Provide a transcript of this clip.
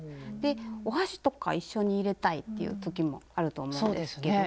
お箸とか一緒に入れたいっていう時もあると思うんですけども。